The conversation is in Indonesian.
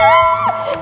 pertama aja ke bunca